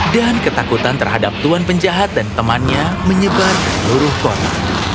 dan ketakutan terhadap tuan penjahat dan temannya menyebar ke seluruh kota